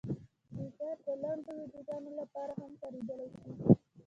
ټویټر د لنډو ویډیوګانو لپاره هم کارېدلی شي.